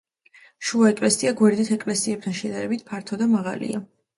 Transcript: შუა ეკლესია გვერდით ეკლესიებთან შედარებით ფართო და მაღალია.